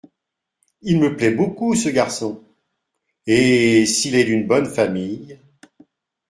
Il me plaît beaucoup, ce garçon… et s’il est d’une bonne famille…